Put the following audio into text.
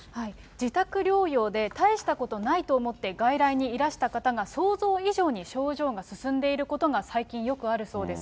自宅療養で、大したことないと思って、外来にいらした方が、想像以上に症状が進んでいることが、最近よくあるそうです。